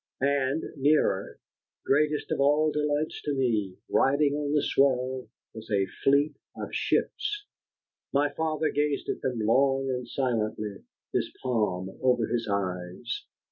And nearer, greatest of all delights to me, riding on the swell was a fleet of ships. My father gazed at them long and silently, his palm over his eyes.